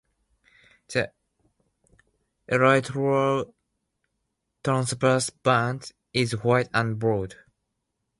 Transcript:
The elytral transverse band is white and broad.